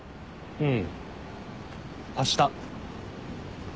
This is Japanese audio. うん。